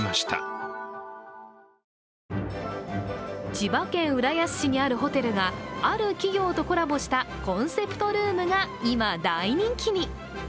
千葉県浦安市にあるホテルがある企業とコラボしたコンセプトルームが今、大人気に。